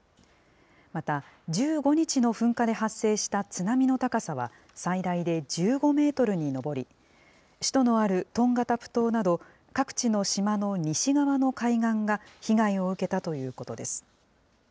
また、１５日の噴火で発生した津波の高さは最大で１５メートルに上り、首都のあるトンガタプ島など、各地の島の西側の海岸が被害を受けたということです。